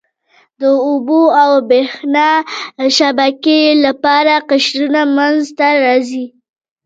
د اوبو او بریښنا شبکې لپاره قشرونه منځته راځي.